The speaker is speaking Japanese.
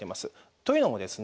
というのもですね